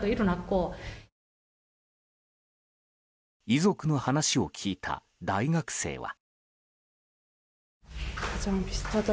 遺族の話を聞いた大学生は。